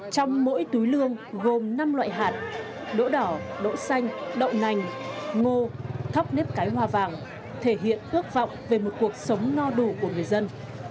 trong mỗi túi lương gồm năm loại hạt đỗ đỏ đỗ xanh đậu nành ngô thóc nếp cái hoa vàng thể hiện ước vọng về một cuộc sống no đủ của người dân